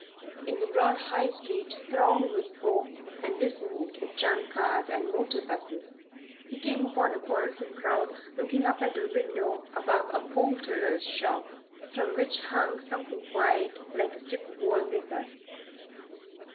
In the broad High Street, thronged with folk, and dissonant with tram cars and motor 'buses, he came upon a quarrelsome crowd looking up at a window above a poulterer's shop, from which hung something white, like a strip of wall paper.